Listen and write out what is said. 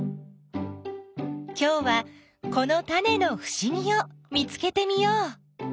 きょうはこのタネのふしぎを見つけてみよう。